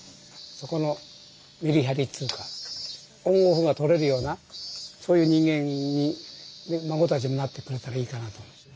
そこのメリハリっつうかオンオフが取れるようなそういう人間に孫たちもなってくれたらいいかなと。